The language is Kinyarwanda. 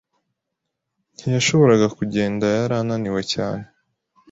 Ntiyashoboraga kugenda yarananiwe cyane